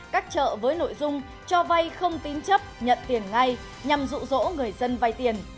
các chợ với nội dung cho vay không tín chấp nhận tiền ngay nhằm rụ rỗ người dân vay tiền